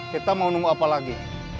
kita mau nunggu apa lagi